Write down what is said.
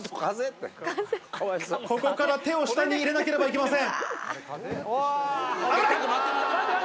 ここから手を下に入れなければいけません。